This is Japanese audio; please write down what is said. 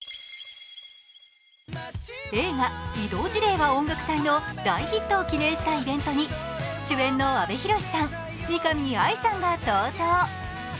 映画「異動辞令は音楽隊！」の大ヒットを記念したイベントに主演の阿部寛さん、見上愛さんが登場。